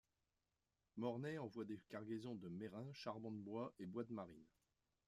Mornay envoie des cargaisons de merrain, charbon de bois et bois de marine.